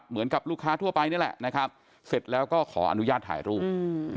เหมือนกับลูกค้าทั่วไปนี่แหละนะครับเสร็จแล้วก็ขออนุญาตถ่ายรูป